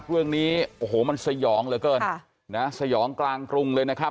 เรื่องนี้โอ้โหมันสยองเหลือเกินสยองกลางกรุงเลยนะครับ